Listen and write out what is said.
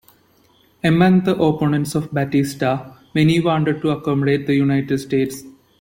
Among the opponents of Batista, many wanted to accommodate the United States.